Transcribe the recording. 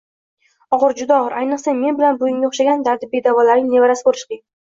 Ogʻir, juda ogʻir, ayniqsa men bilan buvingga oʻxshagan dardibedavolarning nevarasi boʻlish qiyin…